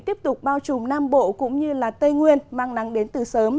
tiếp tục bao trùm nam bộ cũng như tây nguyên mang nắng đến từ sớm